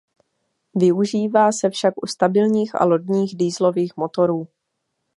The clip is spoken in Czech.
Využívá se však u stabilních a lodních dieselových motorů.